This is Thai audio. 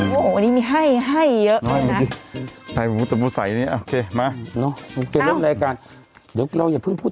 โอ้โหโอ้โหวันนี้มีให้ให้เยอะมาโอเคเริ่มรายการเราอย่าเพิ่งพูด